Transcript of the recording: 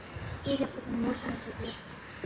سکے جق پو تا ن٘یمور تھونیدپا جُویا